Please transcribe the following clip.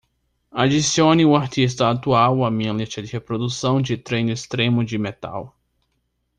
Adicione o artista atual à minha lista de reprodução de treino extremo de metal